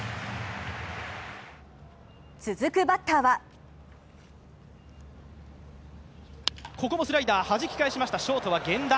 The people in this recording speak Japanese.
続くバッターはここもスライダーはじき返しました、ショートは源田。